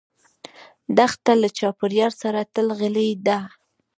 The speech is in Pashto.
دښته له چاپېریال سره تل غلي ده.